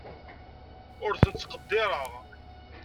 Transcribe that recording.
Ur ten-ttqeddireɣ.